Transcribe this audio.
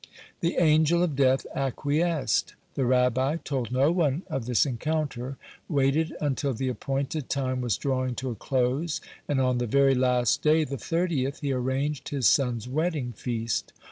The Angel of Death acquiesced. The Rabbi told no one of this encounter, waited until the appointed time was drawing to a close, and, on the very last day, the thirtieth, he arranged his son's wedding feast.